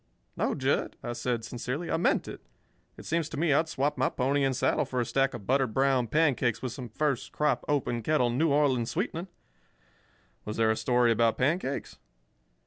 "No, Jud," I said, sincerely, "I meant it. It seems to me I'd swap my pony and saddle for a stack of buttered brown pancakes with some first crop, open kettle, New Orleans sweetening. Was there a story about pancakes?"